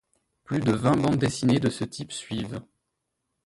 Plus de vingt bande dessinées de ce type suivent.